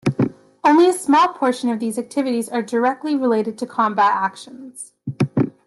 Only a small portion of these activities are directly related to combat actions.